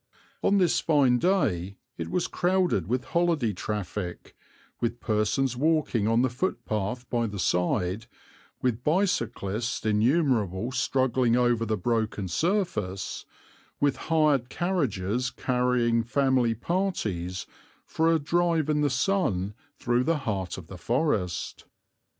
On this fine day it was crowded with holiday traffic, with persons walking on the footpath by the side, with bicyclists innumerable struggling over the broken surface, with hired carriages carrying family parties for a drive in the sun through the heart of the Forest.